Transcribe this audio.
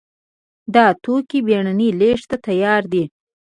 دا توکي بېړنۍ لېږد ته تیار دي.